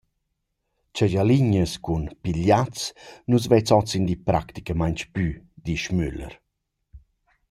Cha giallinas cun pigliats nu’s vezza hozindi praticamaing plü, disch Müller.